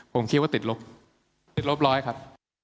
ผมคิดว่าติดลบติดลบร้อยครับ